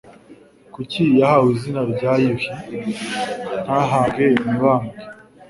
kuki yahawe izina rya Yuhi, ntahabwe Mibambwe